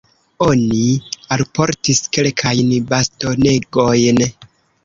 Oni alportis kelkajn bastonegojn.